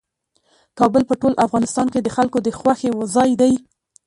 کابل په ټول افغانستان کې د خلکو د خوښې ځای دی.